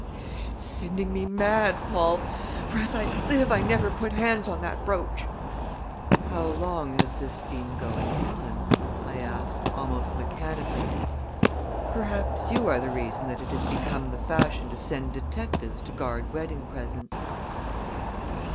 "It's sending me mad, Paul; for, as I live, I never put hands on that brooch!" "How long has this been going on?" I asked, almost mechanically. "Perhaps you are the reason that it has become the fashion to send detectives to guard wedding presents."